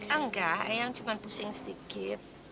enggak eyang cuma pusing sedikit